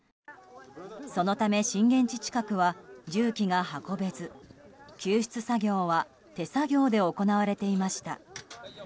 そのため、震源地近くは重機が運べず救出作業は手作業で行われていました。